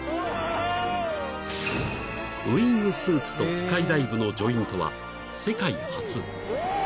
［ウイングスーツとスカイダイブのジョイントは］